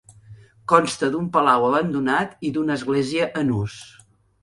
Consta d'un palau abandonat i d'una església en ús.